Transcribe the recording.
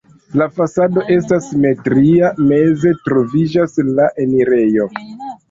La fasado estas simetria, meze troviĝas la enirejo.